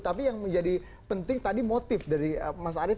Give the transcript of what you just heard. tapi yang menjadi penting tadi motif dari mas arief